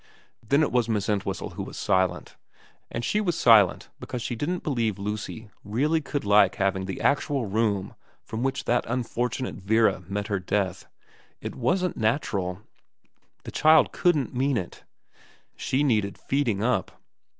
Then it was Miss Entwhistle who was silent ; and she was silent because she didn't believe Lucy really could like having the actual room from which that unfortunate Vera met her death. It wasn't natural. The child couldn't mean it. She needed feeding up.